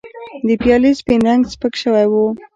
د پیالې سپین رنګ سپک شوی و.